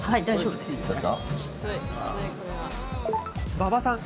馬場さん